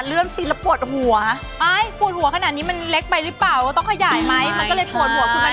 คือเราต้องขอบอกก่อนเลยว่าตอนนี้ไม่แต่คน